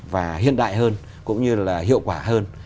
và hiện đại hơn cũng như hiệu quả hơn